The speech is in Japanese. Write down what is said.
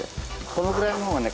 このぐらいの方がね